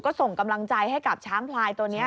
ก็ส่งกำลังใจให้กับช้างพลายตัวนี้